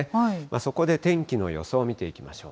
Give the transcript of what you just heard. そこで天気の予想を見ていきましょう。